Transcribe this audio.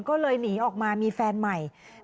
ก็เลยหนีออกมามีแฟนใหม่